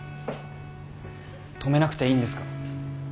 止めなくていいんですか？